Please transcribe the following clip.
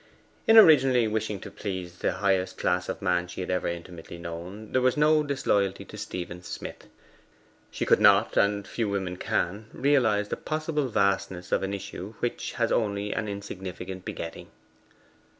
In originally wishing to please the highest class of man she had ever intimately known, there was no disloyalty to Stephen Smith. She could not and few women can realize the possible vastness of an issue which has only an insignificant begetting.